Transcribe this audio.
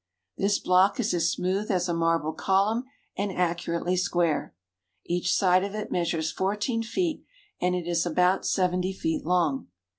This block is as smooth as a marble column and accurately square. Each side of it measures fourteen feet and it is about seventy feet long.